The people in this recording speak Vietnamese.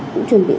cũng chuẩn bị